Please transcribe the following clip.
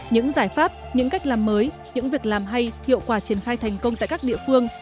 những giải pháp những cách làm mới những việc làm hay hiệu quả triển khai thành công tại các địa phương